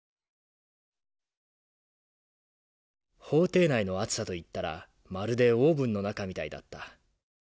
「法廷内の暑さといったらまるでオーブンの中みたいだった。